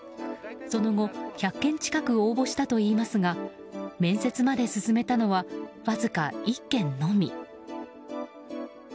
その後、１００件近く応募したといいますが面接まで進めたのはわずか１件のみ。